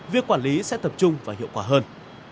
việc quản lý sẽ tập trung và hiệu quả hơn